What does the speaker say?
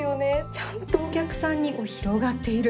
ちゃんとお客さんに広がっている。